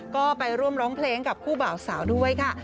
ก็ไปร่วมร้องเพลงกับคู่บ่าวสาวด้วยค่ะ